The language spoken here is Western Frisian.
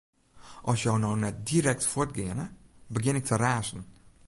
At jo no net direkt fuort geane, begjin ik te razen.